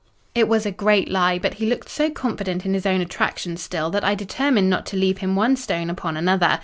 "It was a great lie, but he looked so confident in his own attractions still, that I determined not to leave him one stone upon another.